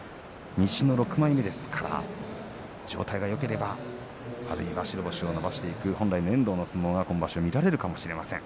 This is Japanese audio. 西の６枚目ですから状態がよければあるいは白星を伸ばしていく本来の相撲が見られるかもしれません。